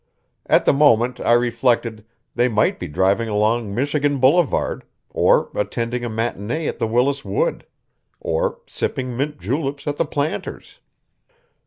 At the moment, I reflected, they might be driving along Michigan Boulevard, or attending a matinee at the Willis Wood, or sipping mint juleps at the Planters'.